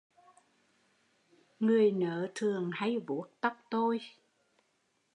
Người nớ thường hay vuốt tóc tôi